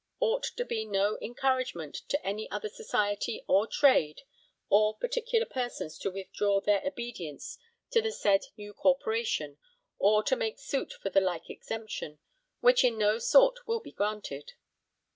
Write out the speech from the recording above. ought to be no encouragement to any other Society or Trade or particular persons to withdraw their obedience to the said new Corporation or to make suit for the like exemption, which in no sort will be granted.'